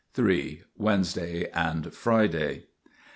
Wednesday and Friday.